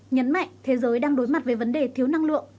nhấn mạnh thế giới đang đối mặt với vấn đề thiếu năng lượng